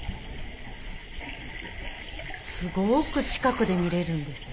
すごく近くで見れるんです。